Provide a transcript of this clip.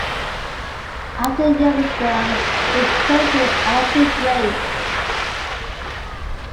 After a year with them, he was traded to the Atlanta Braves.